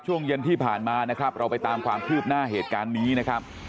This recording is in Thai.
ช่วงเย็นที่ผ่านมานะครับเราไปตามความคืบหน้าเหตุการณ์นี้นะครับ